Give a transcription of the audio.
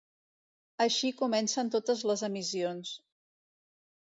Així comencen totes les emissions.